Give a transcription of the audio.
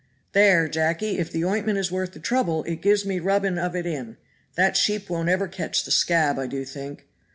"There, Jacky, if the ointment is worth the trouble it gives me rubbing of it in, that sheep won't ever catch the scab, I do think.